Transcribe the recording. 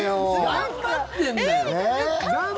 頑張ってんだよ。